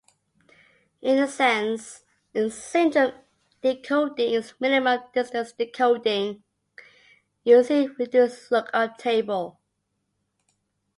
In essence, syndrome decoding is "minimum distance decoding" using a reduced lookup table.